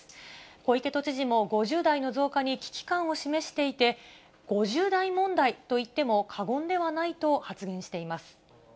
小池都知事も５０代の増加に危機感を示していて、５０代問題と言っても過言ではないと発言しています。